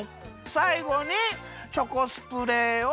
さいごにチョコスプレーを。